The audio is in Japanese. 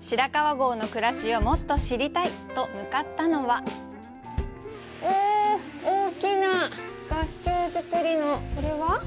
白川郷の暮らしをもっと知りたい！と向かったのはおお、大きな合掌造りのこれは？